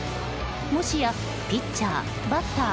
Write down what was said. もしやピッチャー、バッター